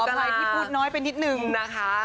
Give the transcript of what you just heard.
อะไรที่พูดน้อยไปนิดนึงนะคะ